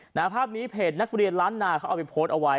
หน้าภาพนี้เพจนักเรียนล้านนาเขาเอาไปโพสต์เอาไว้